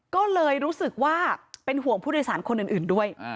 ก็เลยรู้สึกว่าเป็นห่วงผู้โดยสารคนอื่นด้วย